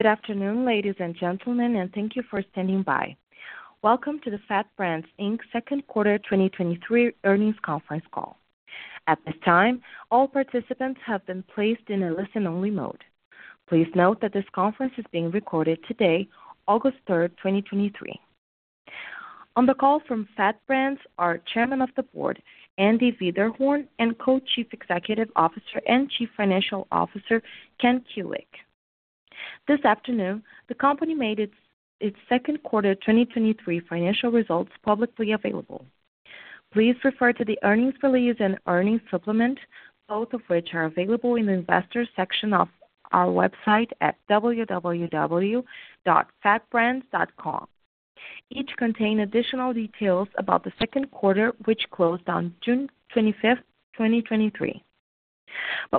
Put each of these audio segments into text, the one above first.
Good afternoon, ladies and gentlemen, and thank you for standing by. Welcome to the FAT Brands Inc. Q2 2023 earnings conference call. At this time, all participants have been placed in a listen-only mode. Please note that this conference is being recorded today, August 3, 2023. On the call from FAT Brands, are Chairman of the Board, Andy Wiederhorn, and Co-Chief Executive Officer and Chief Financial Officer, Ken Kuick. This afternoon, the company made its Q2 2023 financial results publicly available. Please refer to the earnings release and earnings supplement, both of which are available in the Investors section of our website at www.fatbrands.com. Each contain additional details about the Q2, which closed on June 25, 2023.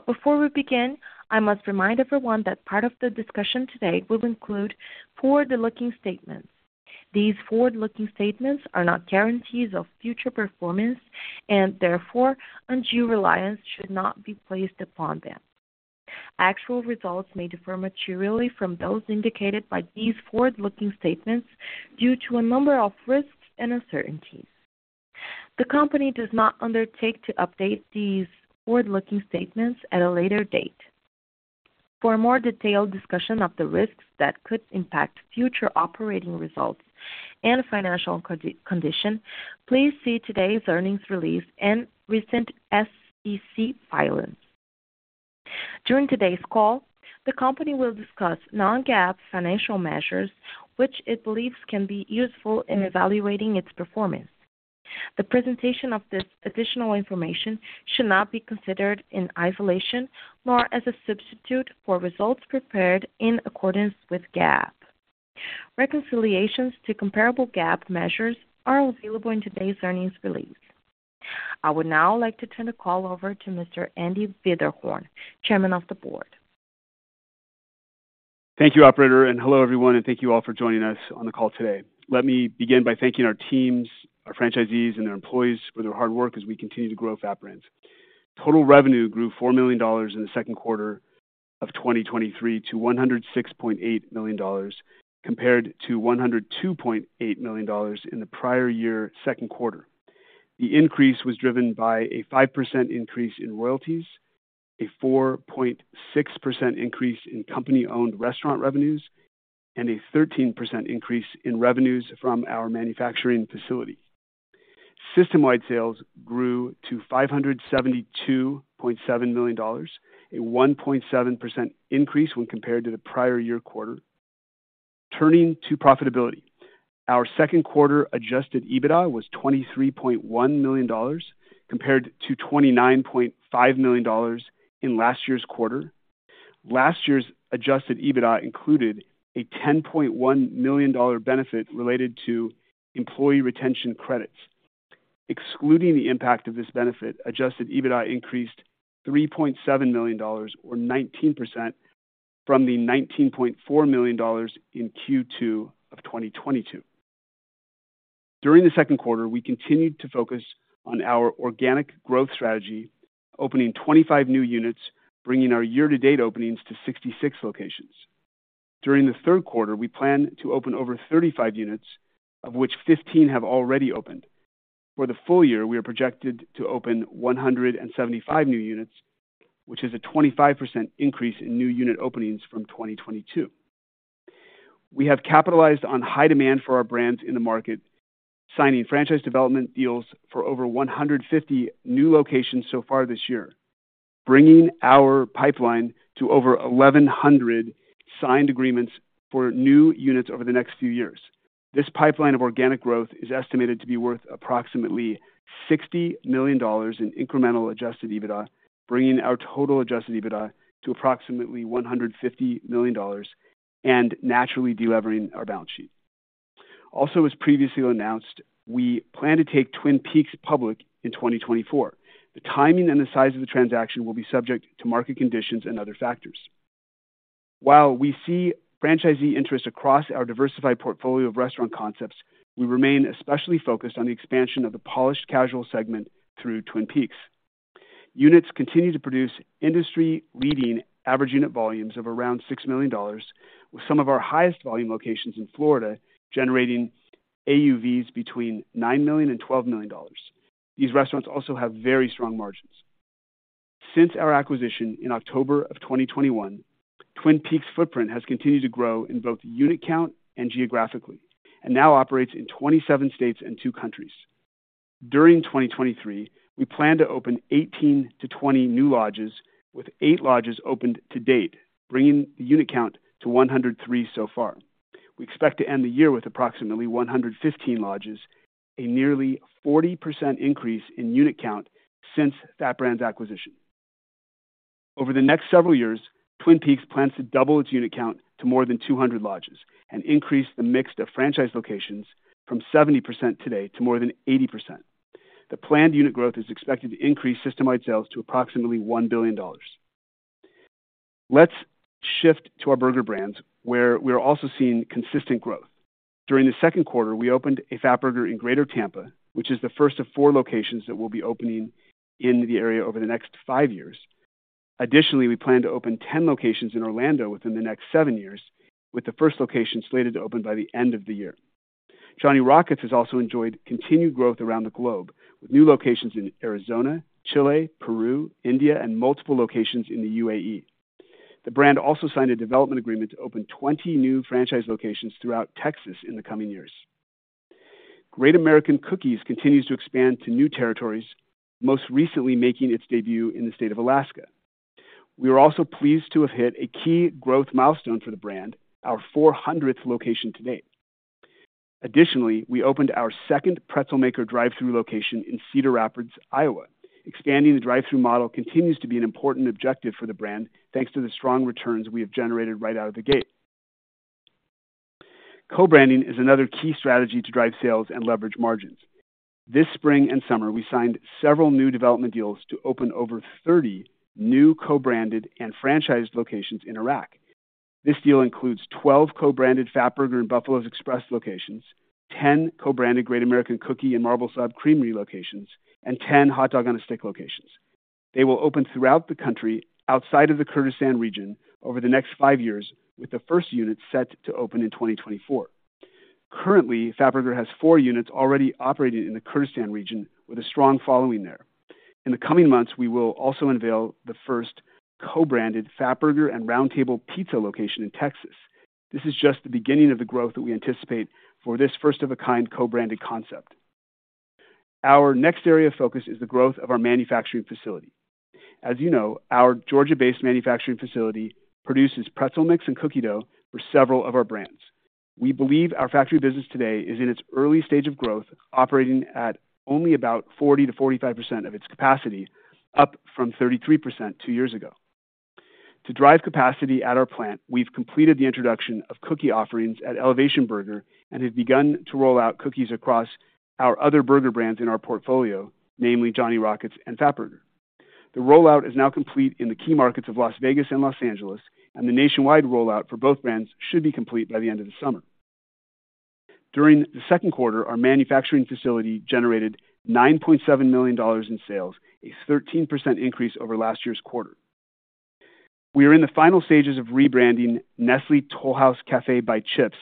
Before we begin, I must remind everyone that part of the discussion today will include forward-looking statements. These forward-looking statements are not guarantees of future performance and therefore undue reliance should not be placed upon them. Actual results may differ materially from those indicated by these forward-looking statements due to a number of risks and uncertainties. The company does not undertake to update these forward-looking statements at a later date. For a more detailed discussion of the risks that could impact future operating results and financial condition, please see today's earnings release and recent SEC filings. During today's call, the company will discuss non-GAAP financial measures, which it believes can be useful in evaluating its performance. The presentation of this additional information should not be considered in isolation, nor as a substitute for results prepared in accordance with GAAP. Reconciliations to comparable GAAP measures are available in today's earnings release. I would now like to turn the call over to Mr. Andy Wiederhorn, Chairman of the Board. Thank you, operator, and hello, everyone, and thank you all for joining us on the call today. Let me begin by thanking our teams, our franchisees, and our employees for their hard work as we continue to grow FAT Brands. Total revenue grew $4 million in the Q2 of 2023 to $106.8 million, compared to $102.8 million in the prior-year Q2. The increase was driven by a 5% increase in royalties, a 4.6% increase in company-owned restaurant revenues, and a 13% increase in revenues from our manufacturing facility. System-wide sales grew to $572.7 million, a 1.7% increase when compared to the prior-year quarter. Turning to profitability, our Q2 adjusted EBITDA was $23.1 million, compared to $29.5 million in last year's quarter. Last year's adjusted EBITDA included a $10.1 million benefit related to Employee Retention Credits. Excluding the impact of this benefit, adjusted EBITDA increased $3.7 million, or 19%, from the $19.4 million in Q2 of 2022. During the Q2, we continued to focus on our organic growth strategy, opening 25 new units, bringing our year-to-date openings to 66 locations. During the Q3, we plan to open over 35 units, of which 15 have already opened. For the full year, we are projected to open 175 new units, which is a 25% increase in new unit openings from 2022. We have capitalized on high demand for our brands in the market, signing franchise development deals for over 150 new locations so far this year, bringing our pipeline to over 1,100 signed agreements for new units over the next few years. This pipeline of organic growth is estimated to be worth approximately $60 million in incremental adjusted EBITDA, bringing our total adjusted EBITDA to approximately $150 million and naturally delevering our balance sheet. As previously announced, we plan to take Twin Peaks public in 2024. The timing and the size of the transaction will be subject to market conditions and other factors. While we see franchisee interest across our diversified portfolio of restaurant concepts, we remain especially focused on the expansion of the polished casual segment through Twin Peaks. Units continue to produce industry-leading average unit volumes of around $6 million, with some of our highest volume locations in Florida generating AUVs between $9 million and $12 million. These restaurants also have very strong margins. Since our acquisition in October of 2021, Twin Peaks' footprint has continued to grow in both unit count and geographically, now operates in 27 states and two countries. During 2023, we plan to open 18 to 20 new lodges, with eight lodges opened to date, bringing the unit count to 103 so far. We expect to end the year with approximately 115 lodges, a nearly 40% increase in unit count since that brand's acquisition. Over the next several years, Twin Peaks plans to double its unit count to more than 200 lodges and increase the mix of franchise locations from 70% today to more than 80%. The planned unit growth is expected to increase system-wide sales to approximately $1 billion. Let's shift to our burger brands, where we are also seeing consistent growth. During the Q2, we opened a Fatburger in Greater Tampa, which is the first of 4 locations that we'll be opening in the area over the next five years. We plan to open 10 locations in Orlando within the next seven years, with the first location slated to open by the end of the year. Johnny Rockets has also enjoyed continued growth around the globe, with new locations in Arizona, Chile, Peru, India, and multiple locations in the UAE. Brand also signed a development agreement to open 20 new franchise locations throughout Texas in the coming years. Great American Cookies continues to expand to new territories, most recently making its debut in the state of Alaska. We are also pleased to have hit a key growth milestone for the brand, our 400th location to date. Additionally, we opened our second Pretzelmaker drive-thru location in Cedar Rapids, Iowa. Expanding the drive-thru model continues to be an important objective for the brand, thanks to the strong returns we have generated right out of the gate. Co-branding is another key strategy to drive sales and leverage margins. This spring and summer, we signed several new development deals to open over 30 new co-branded and franchised locations in Iraq. This deal includes 12 co-branded Fatburger and Buffalo's Express locations, 10 co-branded Great American Cookies and Marble Slab Creamery locations, and 10 Hot Dog on a Stick locations. They will open throughout the country outside of the Kurdistan region over the next five years, with the first unit set to open in 2024. Currently, Fatburger has 4 units already operating in the Kurdistan region with a strong following there. In the coming months, we will also unveil the first co-branded Fatburger and Round Table Pizza location in Texas. This is just the beginning of the growth that we anticipate for this first-of-a-kind co-branded concept. Our next area of focus is the growth of our manufacturing facility. As you know, our Georgia-based manufacturing facility produces pretzel mix and cookie dough for several of our brands. We believe our factory business today is in its early stage of growth, operating at only about 40%-45% of its capacity, up from 33% two years ago. To drive capacity at our plant, we've completed the introduction of cookie offerings at Elevation Burger and have begun to roll out cookies across our other burger brands in our portfolio, namely Johnny Rockets and Fatburger. The rollout is now complete in the key markets of Las Vegas and Los Angeles, and the nationwide rollout for both brands should be complete by the end of the summer. During the Q2, our manufacturing facility generated $9.7 million in sales, a 13% increase over last year's quarter. We are in the final stages of rebranding Nestle Toll House Cafe by Chip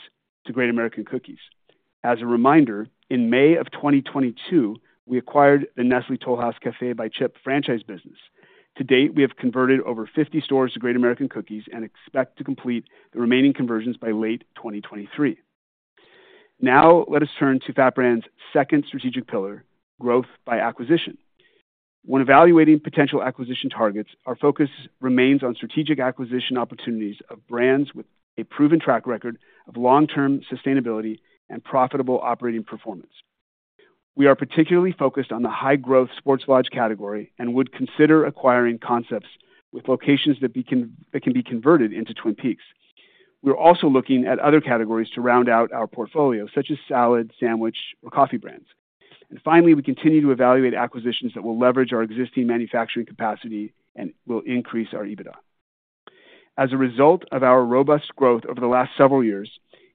to Great American Cookies. As a reminder, in May of 2022, we acquired the Nestle Toll House Cafe by Chip franchise business. To date, we have converted over 50 stores to Great American Cookies and expect to complete the remaining conversions by late 2023. Let us turn to FAT Brands' second strategic pillar, growth by acquisition. When evaluating potential acquisition targets, our focus remains on strategic acquisition opportunities of brands with a proven track record of long-term sustainability and profitable operating performance. We are particularly focused on the high-growth sports lodge category and would consider acquiring concepts that can be converted into Twin Peaks. We're also looking at other categories to round out our portfolio, such as salad, sandwich, or coffee brands. Finally, we continue to evaluate acquisitions that will leverage our existing manufacturing capacity and will increase our EBITDA. As a result of our robust growth over the last several years,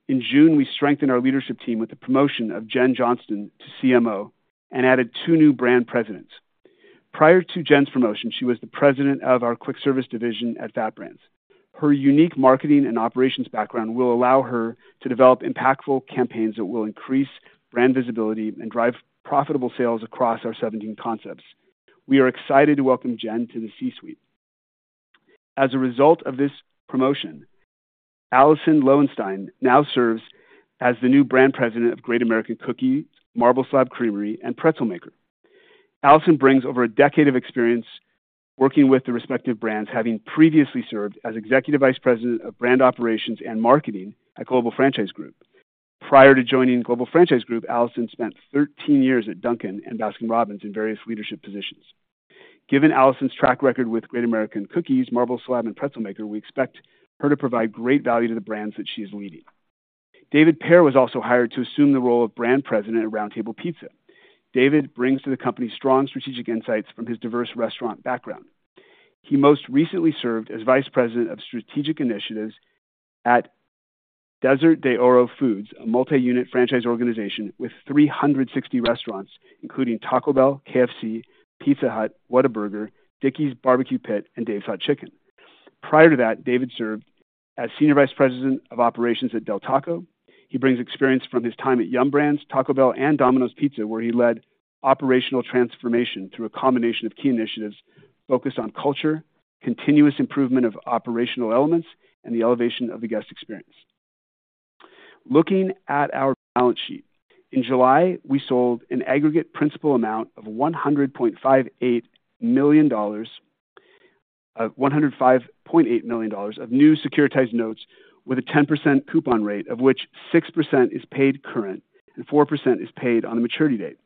in June, we strengthened our leadership team with the promotion of Jenn Johnston to CMO and added two new brand presidents. Prior to Jen's promotion, she was the President of our quick service division at Fat Brands. Her unique marketing and operations background will allow her to develop impactful campaigns that will increase brand visibility and drive profitable sales across our 17 concepts. We are excited to welcome Jen to the C-suite. As a result of this promotion, Allison Lauenstein now serves as the new Brand President of Great American Cookies, Marble Slab Creamery, and Pretzelmaker. Allison brings over a decade of experience working with the respective brands, having previously served as Executive Vice President of Brand Operations and Marketing at Global Franchise Group. Prior to joining Global Franchise Group, Allison spent 13 years at Dunkin' and Baskin-Robbins in various leadership positions. Given Allison's track record with Great American Cookies, Marble Slab, and Pretzelmaker, we expect her to provide great value to the brands that she is leading. David Pear was also hired to assume the role of Brand President at Round Table Pizza. David brings to the company strong strategic insights from his diverse restaurant background. He most recently served as Vice President of Strategic Initiatives at Desert de Oro Foods, a multi-unit franchise organization with 360 restaurants, including Taco Bell, KFC, Pizza Hut, Whataburger, Dickey's Barbecue Pit, and Dave's Hot Chicken. Prior to that, David served as Senior Vice President of Operations at Del Taco. He brings experience from his time at Yum! Brands, Taco Bell, and Domino's Pizza, where he led operational transformation through a combination of key initiatives focused on culture, continuous improvement of operational elements, and the elevation of the guest experience. Looking at our balance sheet, in July, we sold an aggregate principal amount of $105.8 million of new securitized notes with a 10% coupon rate, of which 6% is paid current and 4% is paid on the maturity date.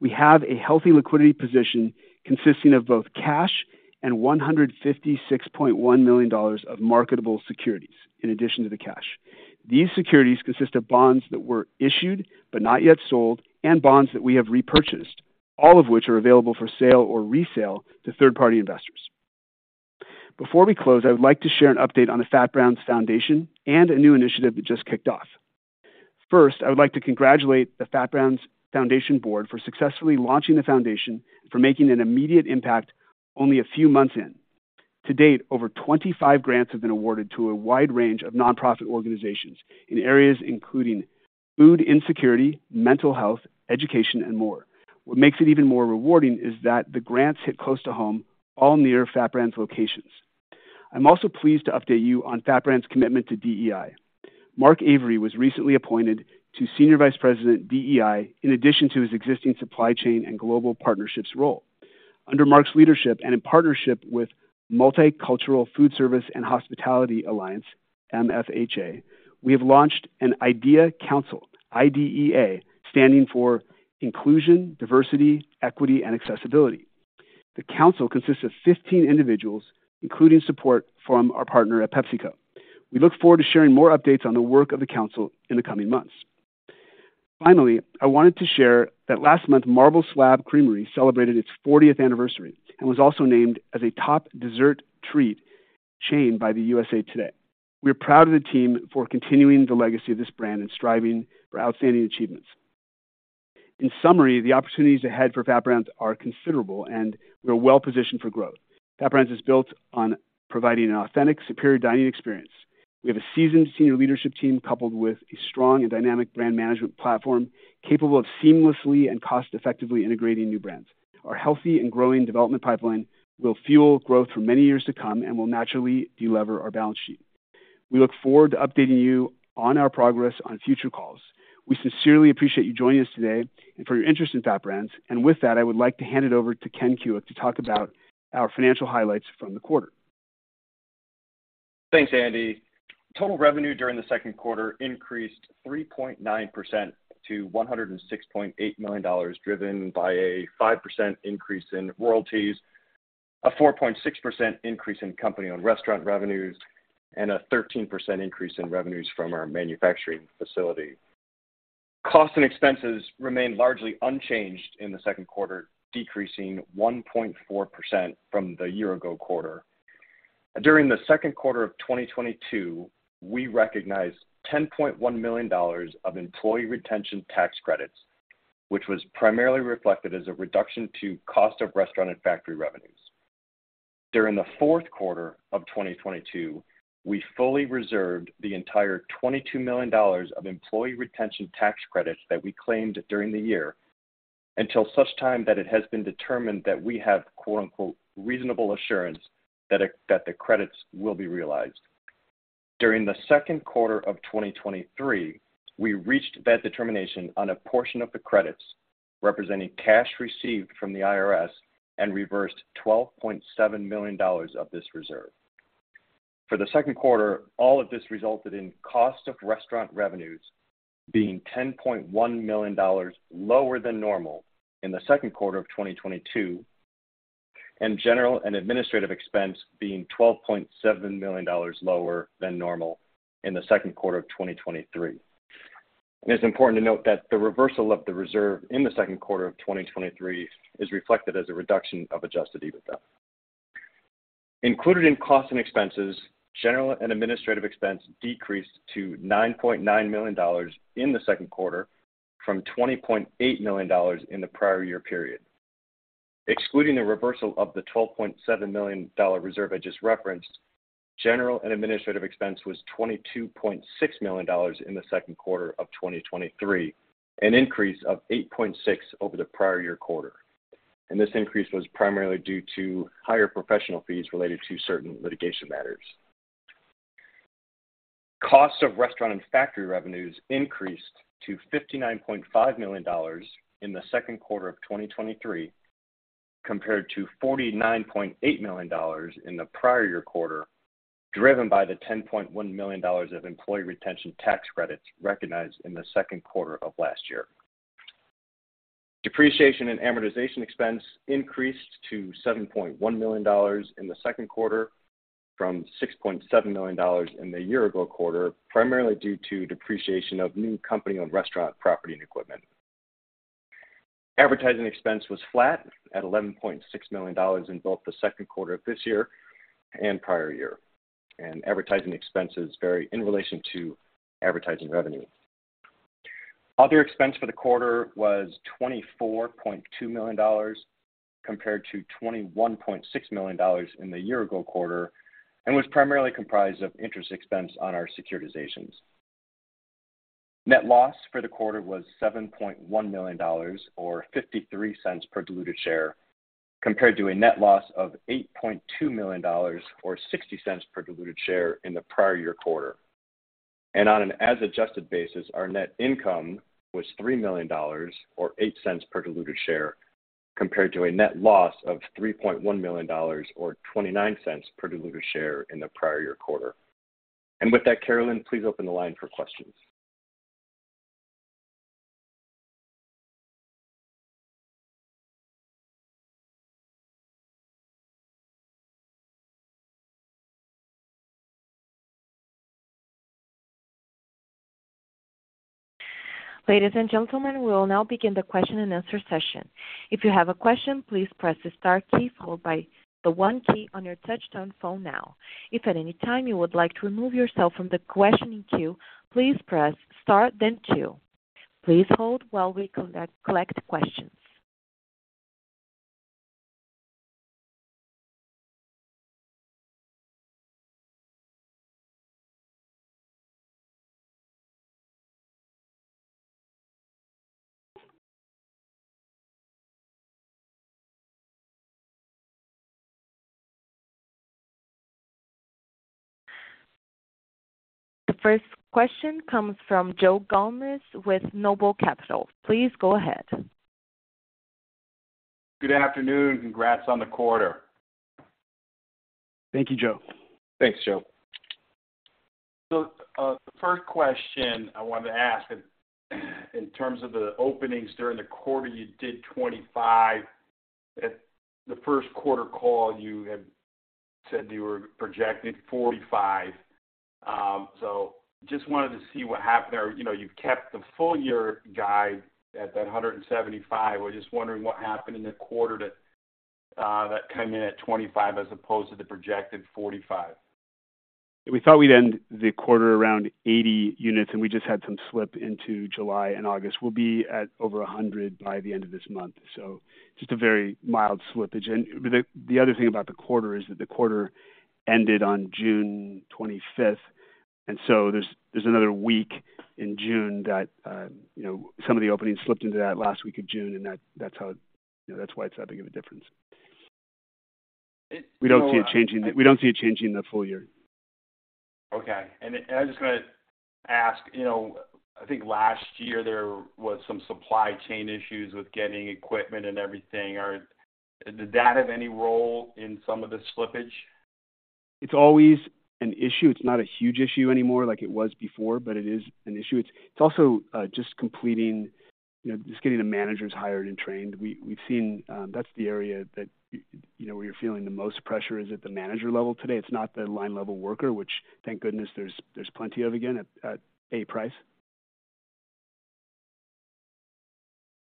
We have a healthy liquidity position consisting of both cash and $156.1 million of marketable securities in addition to the cash. These securities consist of bonds that were issued but not yet sold, and bonds that we have repurchased, all of which are available for sale or resale to third-party investors. Before we close, I would like to share an update on the FAT Brands Foundation and a new initiative that just kicked off. First, I would like to congratulate the FAT Brands Foundation Board for successfully launching the foundation and for making an immediate impact only a few months in. To date, over 25 grants have been awarded to a wide range of nonprofit organizations in areas including food insecurity, mental health, education, and more. What makes it even more rewarding is that the grants hit close to home, all near FAT Brands locations. I'm also pleased to update you on FAT Brands' commitment to DEI. Mark Avery was recently appointed to Senior Vice President, DEI, in addition to his existing supply chain and global partnerships role. Under Mark's leadership, and in partnership with Multicultural Foodservice and Hospitality Alliance, MFHA, we have launched an IDEA council. IDEA, standing for inclusion, diversity, equity, and accessibility. The council consists of 15 individuals, including support from our partner at PepsiCo. We look forward to sharing more updates on the work of the council in the coming months. Finally, I wanted to share that last month, Marble Slab Creamery celebrated its 40th anniversary and was also named as a top dessert treat chain by the USA TODAY. We're proud of the team for continuing the legacy of this brand and striving for outstanding achievements. In summary, the opportunities ahead for FAT Brands are considerable, and we are well positioned for growth. FAT Brands is built on providing an authentic, superior dining experience. We have a seasoned senior leadership team, coupled with a strong and dynamic brand management platform, capable of seamlessly and cost-effectively integrating new brands. Our healthy and growing development pipeline will fuel growth for many years to come and will naturally delever our balance sheet. We look forward to updating you on our progress on future calls. We sincerely appreciate you joining us today and for your interest in FAT Brands, and with that, I would like to hand it over to Ken Kuick to talk about our financial highlights from the quarter. Thanks, Andy. Total revenue during the Q2 increased 3.9% to $106.8 million, driven by a 5% increase in royalties, a 4.6% increase in company-owned restaurant revenues, and a 13% increase in revenues from our manufacturing facility. Costs and expenses remained largely unchanged in the Q2, decreasing 1.4% from the year-ago quarter. During the Q2 of 2022, we recognized $10.1 million of employee retention tax credits, which was primarily reflected as a reduction to cost of restaurant and factory revenues. During the Q4 of 2022, we fully reserved the entire $22 million of employee retention tax credits that we claimed during the year, until such time that it has been determined that we have, quote, unquote, "reasonable assurance" that the credits will be realized. During the Q2 of 2023, we reached that determination on a portion of the credits, representing cash received from the IRS and reversed $12.7 million of this reserve. For the Q2, all of this resulted in cost of restaurant revenues being $10.1 million lower than normal in the Q2 of 2022, and general and administrative expense being $12.7 million lower than normal in the Q2 of 2023. It's important to note that the reversal of the reserve in the Q2 of 2023 is reflected as a reduction of adjusted EBITDA. Included in costs and expenses, general and administrative expense decreased to $9.9 million in the Q2 from $20.8 million in the prior year period. Excluding the reversal of the $12.7 million reserve I just referenced, general and administrative expense was $22.6 million in the Q2 of 2023, an increase of $8.6 over the prior year quarter, and this increase was primarily due to higher professional fees related to certain litigation matters. Cost of restaurant and factory revenues increased to $59.5 million in the Q2 of 2023, compared to $49.8 million in the prior year quarter, driven by the $10.1 million of Employee Retention Tax Credits recognized in the Q2 of last year. Depreciation and amortization expense increased to $7.1 million in the Q2 from $6.7 million in the year-ago quarter, primarily due to depreciation of new company-owned restaurant property and equipment. Advertising expense was flat at $11.6 million in both the Q2 of this year and prior year, advertising expenses vary in relation to advertising revenue. Other expense for the quarter was $24.2 million, compared to $21.6 million in the year-ago quarter, and was primarily comprised of interest expense on our securitizations. Net loss for the quarter was $7.1 million, or $0.53 per diluted share, compared to a net loss of $8.2 million, or $0.60 per diluted share in the prior year quarter. On an as adjusted basis, our net income was $3 million, or $0.08 per diluted share, compared to a net loss of $3.1 million, or $0.29 per diluted share in the prior year quarter. With that, Carolyn, please open the line for questions. Ladies and gentlemen, we will now begin the question-and-answer session. If you have a question, please press the star key followed by the 1 key on your touchtone phone now. If at any time you would like to remove yourself from the questioning queue, please press star, then 2. Please hold while we collect questions. The first question comes from Joe Gomes with Noble Capital. Please go ahead. Good afternoon. Congrats on the quarter. Thank you, Joe. Thanks, Joe. The first question I wanted to ask, in terms of the openings during the quarter, you did 25. At the Q1 call, you had said you were projecting 45. Just wanted to see what happened there. You know, you've kept the full year guide at that 175. We're just wondering what happened in the Q2 that come in at 25 as opposed to the projected 45. We thought we'd end the quarter around 80 units, and we just had some slip into July and August. We'll be at over 100 by the end of this month, just a very mild slippage. The, the other thing about the quarter is that the quarter ended on June 25th, and there's, there's another week in June that, you know, some of the openings slipped into that last week of June, and that's how, you know, that's why it's that big of a difference. We don't see it changing. We don't see it changing the full year. Okay. I just gonna ask, you know, I think last year there was some supply chain issues with getting equipment and everything. Did that have any role in some of the slippage? It's always an issue. It's not a huge issue anymore like it was before, but it is an issue. It's also, just completing, you know, just getting the managers hired and trained. We, we've seen, that's the area that, you know, where you're feeling the most pressure is at the manager level today. It's not the line-level worker, which, thank goodness, there's, there's plenty of, again, at a price.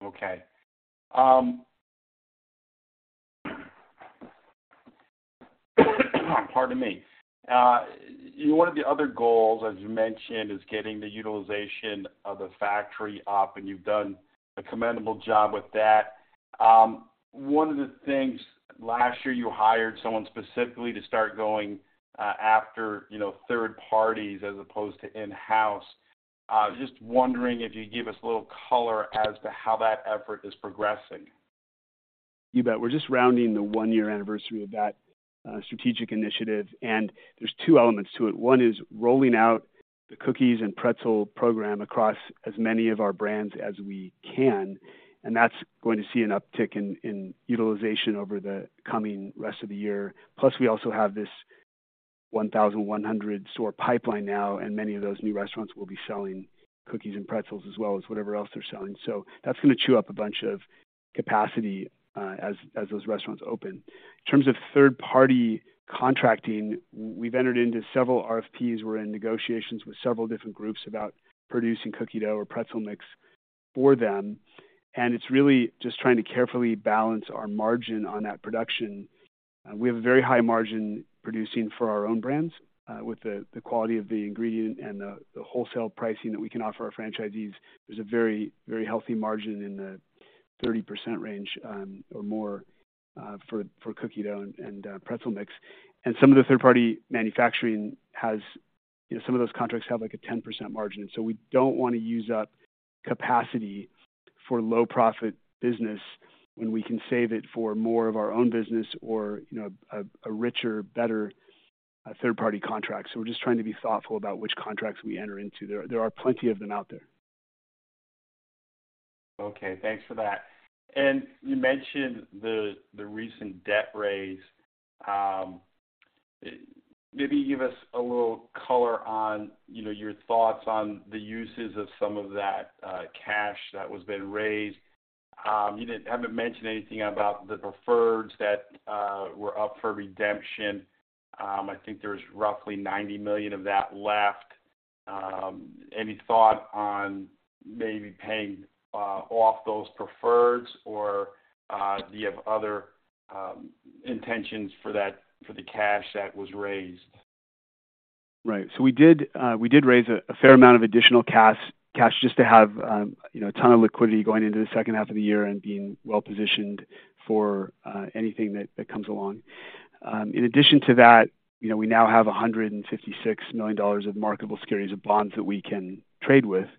Okay. pardon me. one of the other goals, as you mentioned, is getting the utilization of the factory up, and you've done a commendable job with that. one of the things last year, you hired someone specifically to start going, after, you know, third parties as opposed to in-house. just wondering if you give us a little color as to how that effort is progressing. You bet. We're just rounding the one-year anniversary of that, strategic initiative, and there's two elements to it. One is rolling out the cookies and pretzel program across as many of our brands as we can, and that's going to see an uptick in, in utilization over the coming rest of the year. Plus, we also have this 1,100 store pipeline now, and many of those new restaurants will be selling cookies and pretzels as well as whatever else they're selling. That's going to chew up a bunch of capacity, as, as those restaurants open. In terms of third-party contracting, we've entered into several RFPs. We're in negotiations with several different groups about producing cookie dough or pretzel mix for them, and it's really just trying to carefully balance our margin on that production. We have a very high margin producing for our own brands, with the, the quality of the ingredient and the, the wholesale pricing that we can offer our franchisees. There's a very healthy margin in the 30% range, or more, for, for cookie dough and pretzel mix. Some of the third-party manufacturing has, you know, some of those contracts have, like, a 10% margin, so we don't want to use up capacity for low profit business when we can save it for more of our own business or, you know, a, a richer, better, third-party contract. We're just trying to be thoughtful about which contracts we enter into. There are, there are plenty of them out there. Okay, thanks for that. You mentioned the, the recent debt raise. Maybe give us a little color on, you know, your thoughts on the uses of some of that cash that was being raised. You didn't, haven't mentioned anything about the preferreds that were up for redemption. I think there's roughly $90 million of that left. Any thought on maybe paying off those preferreds, or do you have other intentions for that, for the cash that was raised? Right. We did raise a fair amount of additional cash, cash just to have, you know, a ton of liquidity going into the second half of the year and being well-positioned for anything that, that comes along. In addition to that, you know, we now have $156 million of marketable securities, of bonds that we can trade with,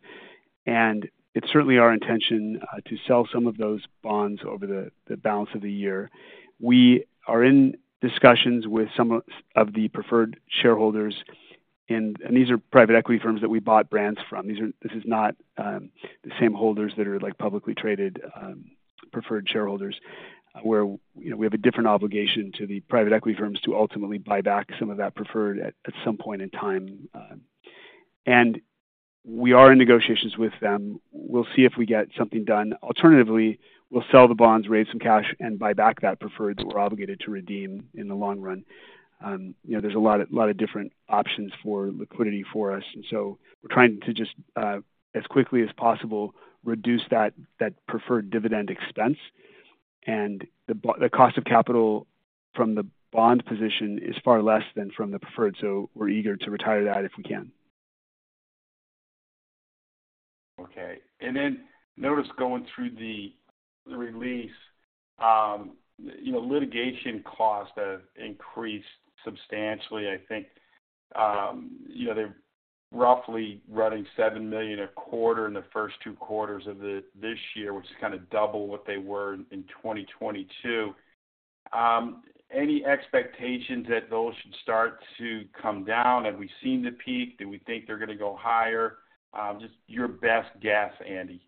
and it's certainly our intention to sell some of those bonds over the balance of the year. We are in discussions with some of the preferred shareholders, and these are private equity firms that we bought brands from. This is not the same holders that are, like, publicly traded, preferred shareholders, where, you know, we have a different obligation to the private equity firms to ultimately buy back some of that preferred at, at some point in time. We are in negotiations with them. We'll see if we get something done. Alternatively, we'll sell the bonds, raise some cash, and buy back that preferred that we're obligated to redeem in the long run. You know, there's a lot of, lot of different options for liquidity for us, and so we're trying to just as quickly as possible, reduce that, that preferred dividend expense. The cost of capital from the bond position is far less than from the preferred, so we're eager to retire that if we can. Okay. Noticed going through the release, you know, litigation costs have increased substantially. I think, you know, they're roughly running $7 million a quarter in the first two quarters of this year, which is kind of double what they were in 2022. Any expectations that those should start to come down? Have we seen the peak? Do we think they're gonna go higher? Just your best guess, Andy.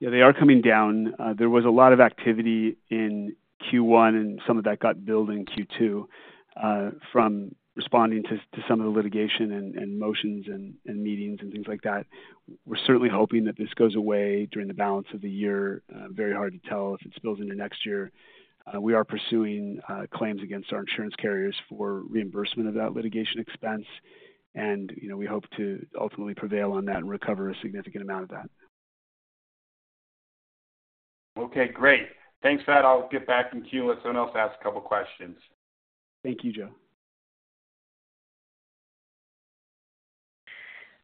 Yeah, they are coming down. There was a lot of activity in Q1, and some of that got billed in Q2, from responding to, to some of the litigation and, and motions and, and meetings and things like that. We're certainly hoping that this goes away during the balance of the year. Very hard to tell if it spills into next year. We are pursuing claims against our insurance carriers for reimbursement of that litigation expense, and, you know, we hope to ultimately prevail on that and recover a significant amount of that. Okay, great. Thanks for that. I'll get back in queue, let someone else ask a couple questions. Thank you, Joe.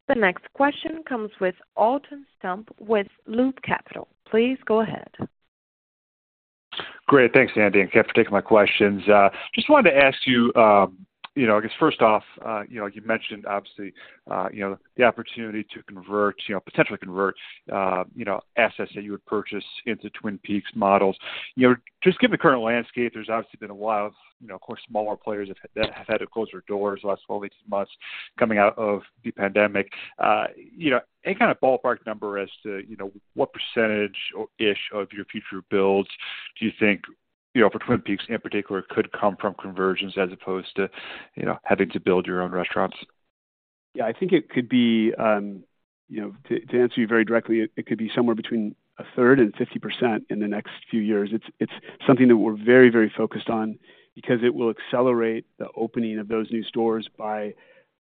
The next question comes with Alton Stump with Loop Capital. Please go ahead. Great. Thanks, Andy, and again for taking my questions. Just wanted to ask you, you know, I guess first off, you know, you mentioned obviously, you know, the opportunity to convert, you know, potentially convert, you know, assets that you would purchase into Twin Peaks models. You know, just given the current landscape, there's obviously been a lot of, you know, of course, smaller players have, that have had to close their doors the last 12, 18 months coming out of the pandemic. You know, any kind of ballpark number as to, you know, what percentage or ish of your future builds do you think, you know, for Twin Peaks in particular, could come from conversions as opposed to, you know, having to build your own restaurants? Yeah, I think it could be, you know, to, to answer you very directly, it could be somewhere between a third and 50% in the next few years. It's, it's something that we're very, very focused on because it will accelerate the opening of those new stores by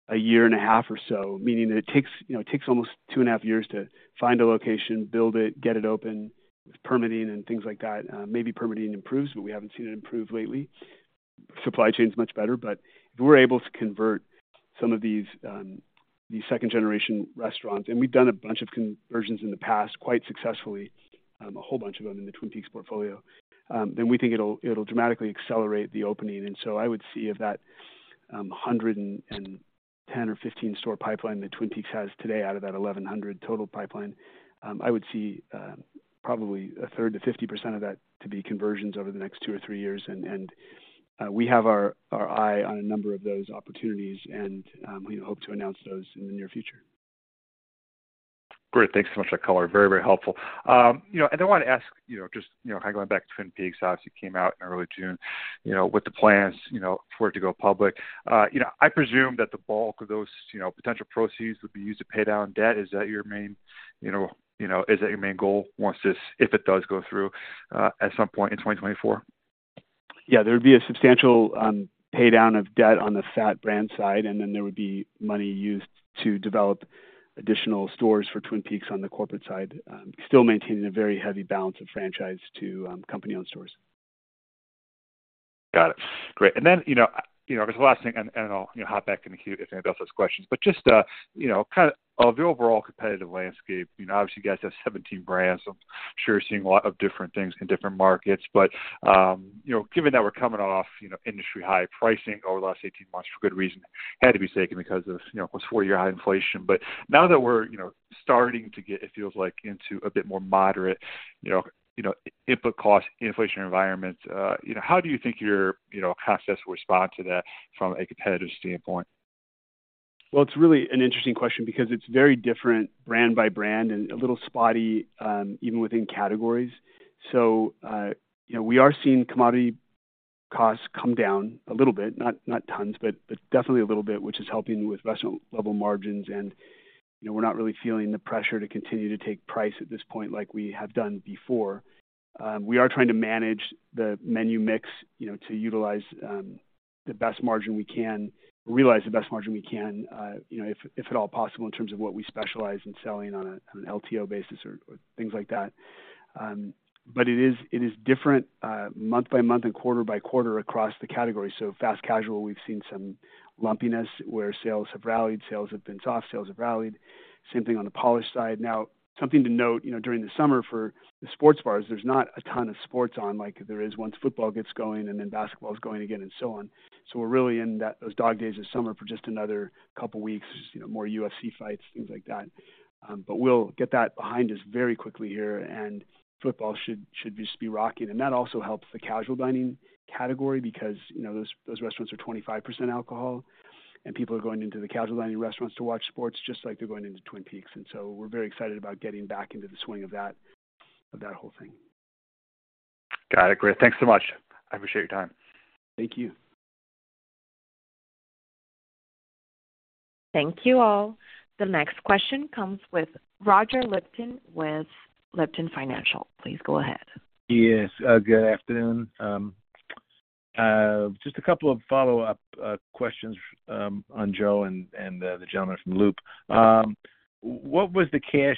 a year and a half or so. Meaning that it takes, you know, it takes almost two and a half years to find a location, build it, get it open, permitting and things like that. Maybe permitting improves, but we haven't seen it improve lately. Supply chain's much better, but if we're able to convert some of these, these second-generation restaurants, and we've done a bunch of conversions in the past quite successfully, a whole bunch of them in the Twin Peaks portfolio, then we think it'll, it'll dramatically accelerate the opening. I would see if that 110 or 15 store pipeline that Twin Peaks has today out of that 1,100 total pipeline, I would see probably a third to 50% of that to be conversions over the next two or three years. We have our eye on a number of those opportunities and we hope to announce those in the near future. Great. Thanks so much for that color. Very, very helpful. You know, I wanted to ask, you know, just, you know, kind of going back to Twin Peaks, obviously came out in early June, you know, with the plans, you know, for it to go public. You know, I presume that the bulk of those, you know, potential proceeds would be used to pay down debt. Is that your main, you know, you know, is that your main goal once if it does go through, at some point in 2024? There would be a substantial pay down of debt on the FAT Brands side, then there would be money used to develop additional stores for Twin Peaks on the corporate side, still maintaining a very heavy balance of franchise to company-owned stores. Got it. Great. Then, you know, you know, just the last thing, and, and I'll, you know, hop back in the queue if anybody else has questions. Just, you know, kind of the overall competitive landscape, you know, obviously you guys have 17 brands, I'm sure you're seeing a lot of different things in different markets, but, you know, given that we're coming off, you know, industry high pricing over the last 18 months for good reason, had to be taken because of, you know, plus four-year high inflation. Now that we're, you know, starting to get, it feels like into a bit more moderate, you know, you know, input cost inflation environment, you know, how do you think your, you know, concepts will respond to that from a competitive standpoint? Well, it's really an interesting question because it's very different brand by brand and a little spotty, even within categories. You know, we are seeing commodity costs come down a little bit, not, not tons, but, but definitely a little bit, which is helping with restaurant level margins and, you know, we're not really feeling the pressure to continue to take price at this point like we have done before. We are trying to manage the menu mix, you know, to utilize, the best margin we can, realize the best margin we can, you know, if at all possible in terms of what we specialize in selling on an LTO basis or, or things like that. It is, it is different, month by month and quarter-by-quarter across the category. Fast casual, we've seen some lumpiness where sales have rallied, sales have been soft, sales have rallied. Same thing on the polished side. Something to note, you know, during the summer for the sports bars, there's not a ton of sports on like there is once football gets going and then basketball is going again and so on. We're really in that, those dog days of summer for just another couple weeks, you know, more UFC fights, things like that. But we'll get that behind us very quickly here, and football should just be rocking. That also helps the casual dining category because, you know, those, those restaurants are 25% alcohol, and people are going into the casual dining restaurants to watch sports just like they're going into Twin Peaks. We're very excited about getting back into the swing of that whole thing. Got it. Great. Thanks so much. I appreciate your time. Thank you. Thank you, all. The next question comes from Roger Lipton with Lipton Financial. Please go ahead. Yes, good afternoon. Just a couple of follow-up questions on Joe Gomes and the gentleman from Loop Capital Markets. What was the cash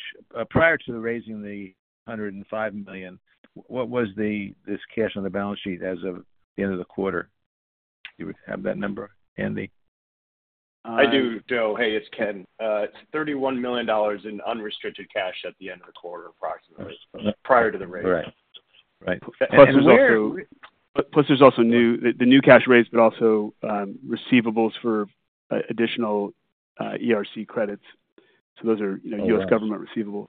prior to the raising of the $105 million, what was this cash on the balance sheet as of the end of the quarter? You would have that number handy. I do, Joe. Hey, it's Ken. It's $31 million in unrestricted cash at the end of the quarter, approximately, prior to the raise. Right. Right. There's also. And where- There's also the new cash raise, but also, receivables for additional ERC credits. Those are, you know. Oh, yes. U.S. Government receivables.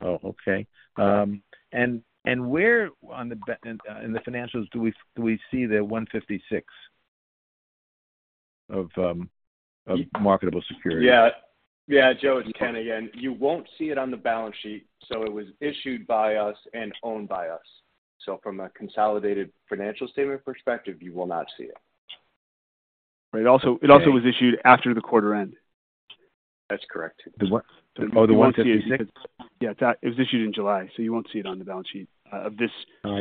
Oh, okay. where on the in the financials do we, do we see the $156 of marketable security? Yeah. Yeah, Joe, it's Ken again. You won't see it on the balance sheet, so it was issued by us and owned by us. From a consolidated financial statement perspective, you will not see it. Right. Also, it also was issued after the quarter end. That's correct. The what? Oh, the 156. Yeah, that it was issued in July. You won't see it on the balance sheet of this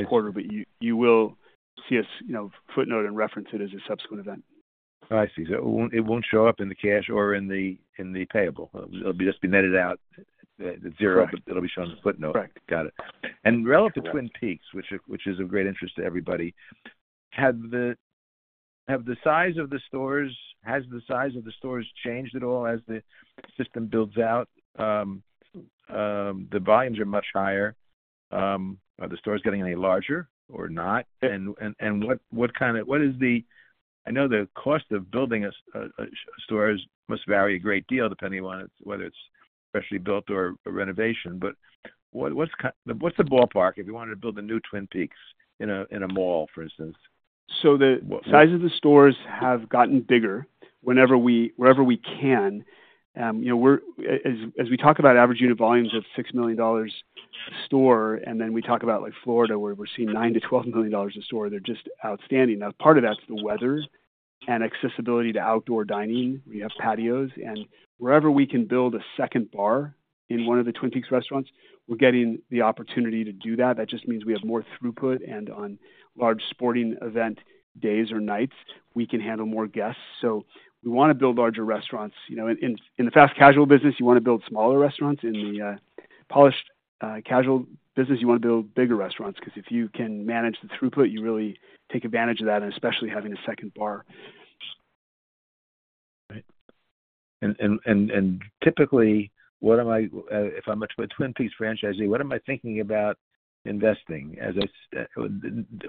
quarter. Right. You, you will see us, you know, footnote and reference it as a subsequent event. I see. It won't, it won't show up in the cash or in the, in the payable. It'll be just be netted out, the zero- Correct. It'll be shown in the footnote. Correct. Got it. Correct. Relative to Twin Peaks, which is, which is of great interest to everybody, have the size of the stores. Has the size of the stores changed at all as the system builds out? The volumes are much higher. Are the stores getting any larger or not? I know the cost of building a store must vary a great deal depending on whether it's freshly built or a renovation, but what's the ballpark if you wanted to build a new Twin Peaks in a, in a mall, for instance? The size of the stores have gotten bigger wherever we can. You know, as we talk about average unit volumes of $6 million a store, and then we talk about, like, Florida, where we're seeing $9 million-$12 million a store, they're just outstanding. Part of that's the weather and accessibility to outdoor dining. We have patios, and wherever we can build a second bar in one of the Twin Peaks Restaurants, we're getting the opportunity to do that. That just means we have more throughput, and on large sporting event, days or nights, we can handle more guests. We want to build larger restaurants. You know, in the fast casual business, you want to build smaller restaurants. In the polished casual business, you want to build bigger restaurants, because if you can manage the throughput, you really take advantage of that, and especially having a second bar. Right. Typically, what am If I'm a Twin Peaks franchisee, what am I thinking about investing as it's,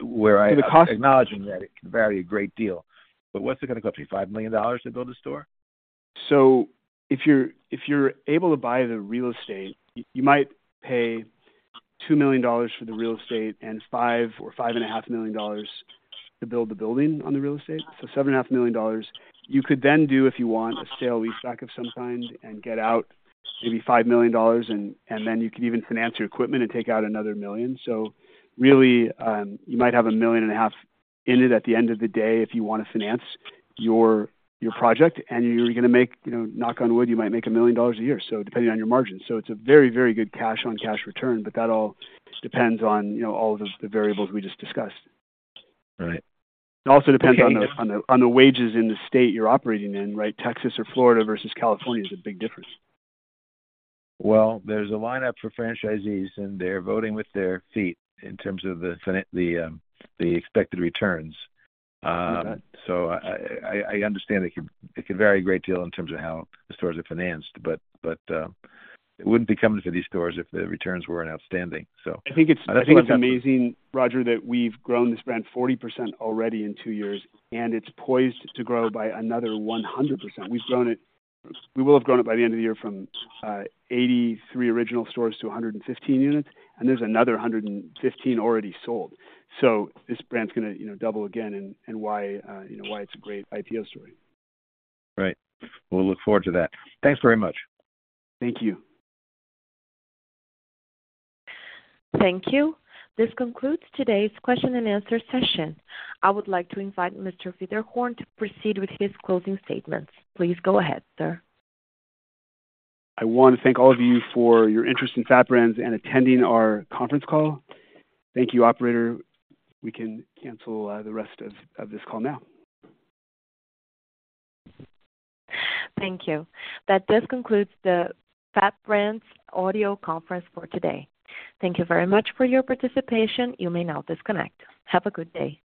where I- The cost- acknowledging that it can vary a great deal, but what's it gonna cost me, $5 million to build a store? If you're able to buy the real estate, you might pay $2 million for the real estate and $5 million or $5.5 million to build the building on the real estate. $7.5 million. You could then do, if you want, a sale leaseback of some kind and get out maybe $5 million, and then you could even finance your equipment and take out another $1 million. Really, you might have $1.5 million in it at the end of the day, if you want to finance your project and you're gonna make, you know, knock on wood, you might make $1 million a year, depending on your margins. It's a very, very good cash-on-cash return, but that all depends on, you know, all of the, the variables we just discussed. Right. It also depends on the wages in the state you're operating in, right? Texas or Florida versus California is a big difference. Well, there's a lineup for franchisees, and they're voting with their feet in terms of the the expected returns. You bet. I, I, I understand it can, it can vary a great deal in terms of how the stores are financed, but, but, it wouldn't be coming to these stores if the returns weren't outstanding. I think it's, I think it's amazing, Roger, that we've grown this brand 40% already in two years, and it's poised to grow by another 100%. We will have grown it by the end of the year from 83 original stores to 115 units, and there's another 115 already sold. This brand's gonna, you know, double again, and why, you know, why it's a great IPO story. Right. We'll look forward to that. Thanks very much. Thank you. Thank you. This concludes today's question and answer session. I would like to invite Mr. Wiederhorn to proceed with his closing statements. Please go ahead, sir. I want to thank all of you for your interest in FAT Brands and attending our conference call. Thank you, operator. We can cancel the rest of this call now. Thank you. That does conclude the FAT Brands audio conference for today. Thank you very much for your participation. You may now disconnect. Have a good day.